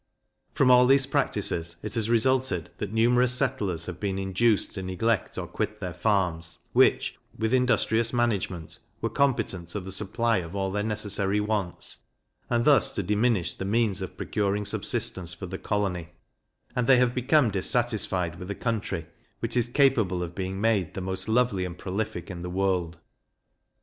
From all these practices it has resulted, that numerous settlers have been induced to neglect or quit their farms, which, with industrious management, were competent to the supply of all their necessary wants, and thus to diminish the means of procuring subsistence for the colony; and they have become dissatisfied with a country, which is capable of being made the most lovely and prolific in the world.